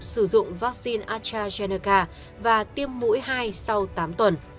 sử dụng vaccine astrazeneca và tiêm mũi hai sau tám tuần